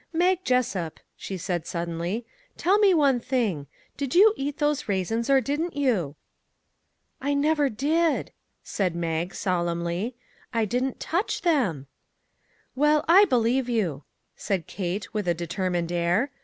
" Mag Jessup," she said suddenly, " tell me one thing. Did you eat those raisins, or didn't you?" " I never did," said Mag solemnly. " I didn't touch them," " Well, I believe you," said Kate, with a de termined air.